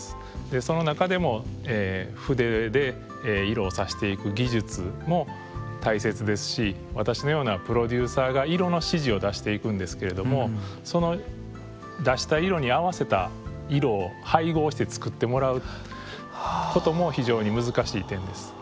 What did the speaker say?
その中でも筆で色を挿していく技術も大切ですし私のようなプロデューサーが色の指示を出していくんですけれどもその出した色に合わせた色を配合して作ってもらうことも非常に難しい点です。